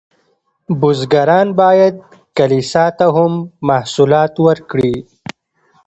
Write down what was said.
بزګران باید کلیسا ته هم محصولات ورکړي.